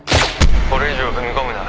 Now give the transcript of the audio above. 「これ以上踏み込むな。